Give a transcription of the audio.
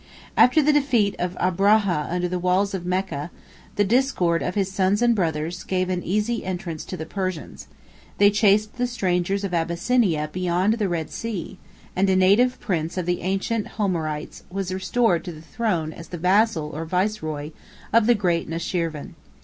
After the defeat of Abrahah under the walls of Mecca, the discord of his sons and brothers gave an easy entrance to the Persians: they chased the strangers of Abyssinia beyond the Red Sea; and a native prince of the ancient Homerites was restored to the throne as the vassal or viceroy of the great Nushirvan.